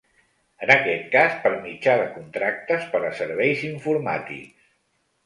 En aquest cas, per mitjà de contractes per a serveis informàtics.